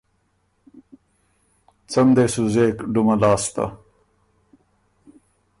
څۀ م دې سُو زېک ډُمه لاسته،